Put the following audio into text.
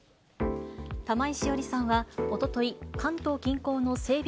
玉井詩織さんはおととい、関東近郊の整備